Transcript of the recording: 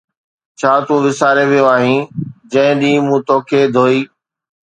ڇا تون وساري ويو آھين جنھن ڏينھن مون توکي ڌوئي؟